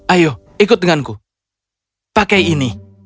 ayo ikut denganku pakai ini